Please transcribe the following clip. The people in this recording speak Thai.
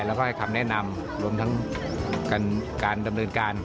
แล้วก็ให้คำแนะนำรวมทั้งการดำเนินการ